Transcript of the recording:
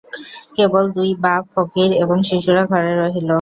কেবল দুই বাপ, ফকির এবং শিশুরা ঘরে রহিল।